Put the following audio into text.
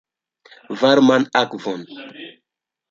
Varman akvon!